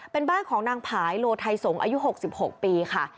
เป็นบ้านของนางผายโลไทยสงศ์อายุ๖๖ปีค่ะ